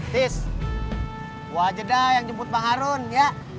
tis gue aja dah yang jemput bang harun ya